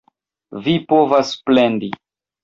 Vi povas plendi!